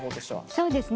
そうですね。